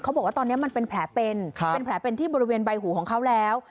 บอกว่าตอนนี้มันเป็นแผลเป็นเป็นแผลเป็นที่บริเวณใบหูของเขาแล้ว